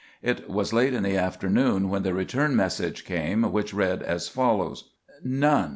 It was late in the afternoon when the return message came, which read as follows: "None.